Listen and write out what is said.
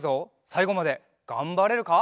さいごまでがんばれるか？